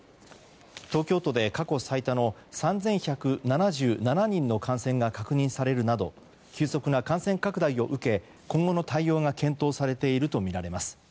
東京都で過去最多の３１７７人の感染が確認されるなど急速な感染拡大を受け今後の対応が検討されているとみられます。